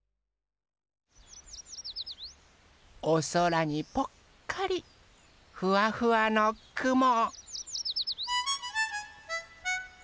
おそらにぽっかりふわふわのくも。